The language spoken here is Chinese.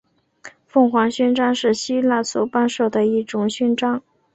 凤凰勋章是希腊所颁授的一种勋章。